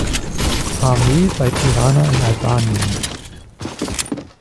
Armee bei Tirana in Albanien.